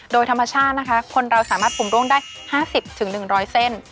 โดยธรรมชาตินะคะคนเราสามารถปุ่มร่วงได้๕๐๑๐๐เส้น